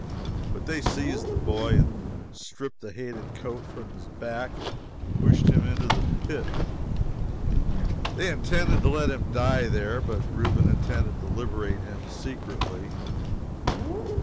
But they seized the boy, and stripped the hated coat from his back and pushed him into the pit. They intended to let him die there, but Reuben intended to liberate him secretly.